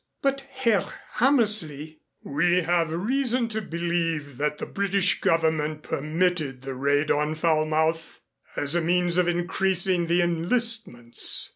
"But Herr Hammersley?" "We have reason to believe that the British Government permitted the raid on Falmouth, as a means of increasing the enlistments."